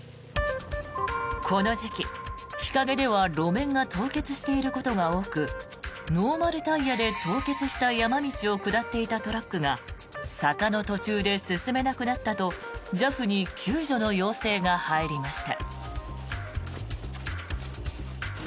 この時期、日陰では路面が凍結していることが多くノーマルタイヤで凍結した山道を下っていたトラックが坂の途中で進めなくなったとＪＡＦに救助の要請が入りました。